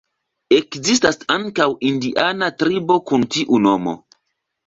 Ekzistas ankaŭ indiana tribo kun tiu nomo.